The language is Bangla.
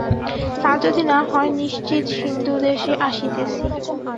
তা যদি না হয়, নিশ্চিত সিন্ধুদেশে আসিতেছি।